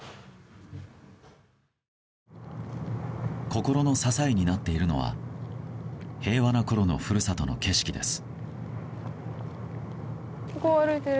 心の支えになっているのは平和なころの故郷の景色です。